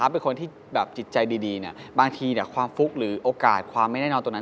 เป็นคนที่จิตใจดีบางทีความฟุกหรือโอกาสความไม่แน่นอนตรงนั้น